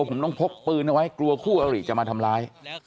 ผมต้องพกปืนเอาไว้กลัวคู่อริจะมาทำร้าย